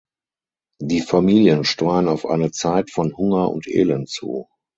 Die Familien steuern auf eine Zeit von Hunger und Elend zu.